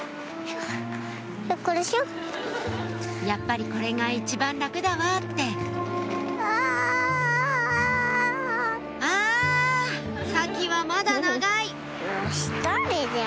「やっぱりこれが一番楽だわ」ってあ先はまだ長い！